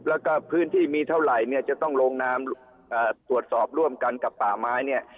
แล้วก็พื้นที่มีเท่าไหร่เนี่ยจะต้องลงนามตรวจสอบร่วมกันกับป่าไม้เนี่ย